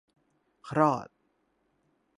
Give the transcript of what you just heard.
รอด